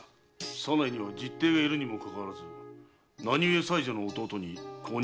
左内には実弟がいるにもかかわらず何ゆえ妻女の弟に後任を許したのだ？